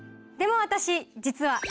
でも私実は。